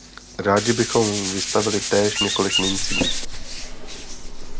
Rádi bychom vystavili též několik mincí.